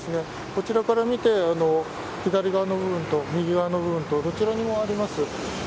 こちらから見て左側の部分と右側の部分とどちらにもあります。